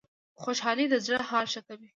خوشحالي د زړه حال ښه کوي